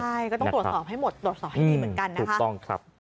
ใช่ก็ต้องตรวจสอบให้หมดตรวจสอบให้ดีเหมือนกันนะคะ